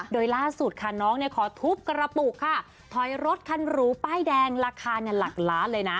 โดยล่าสุดค่ะน้องเนี่ยขอทุบกระปุกค่ะถอยรถคันหรูป้ายแดงราคาเนี่ยหลักล้านเลยนะ